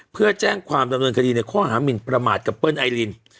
เพื่อแจ้งความดำเนินคดีในข้อหามินประมาทกับเปิ้ลไอลิน